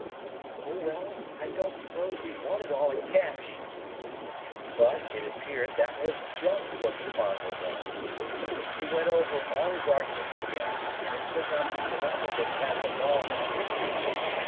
"Oh, well, I don't suppose he'd want it all in cash." But, it appeared, that was just what the farmer wanted. He went over all his arguments again, and it could not be denied that he had the law on his side.